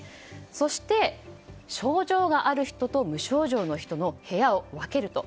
そして、症状がある人と無症状の人の部屋を分けると。